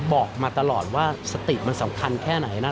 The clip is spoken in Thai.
บอกมาตลอดว่าสติมันสำคัญแค่ไหนนะ